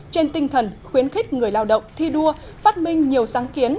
trên tinh thần khuyến khích người lao động thi đua phát minh nhiều sáng kiến